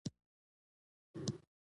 نه راته هسې دروند دی.